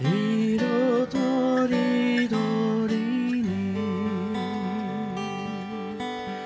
「色とりどりに」